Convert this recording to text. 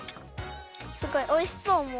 すごいおいしそうもう。